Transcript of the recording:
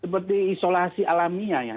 seperti isolasi alamiah ya